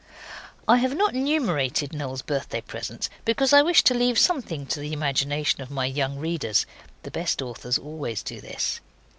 I have not numerated Noel's birthday presents because I wish to leave something to the imagination of my young readers. (The best authors always do this.)